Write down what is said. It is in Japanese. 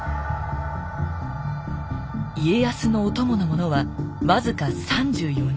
家康のお供の者は僅か３４人。